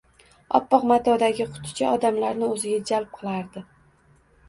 Oppoq matodagi quticha odamlarni o`ziga jalb qilardi